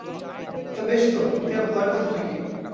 তা, বেশ তো, এতে আর ভয়ের কথাটা কী?